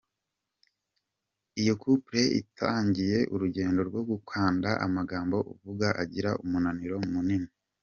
Iyo couple itangayiye urugendo rwo gukundana amagambo uvuga agira umumaro munini.